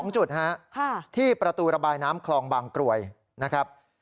๒จุดที่ประตูระบายน้ำคลองบางกรวยนะครับ